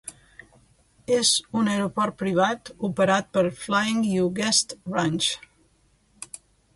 És un aeroport privat operat pel Flying U Guest Ranch.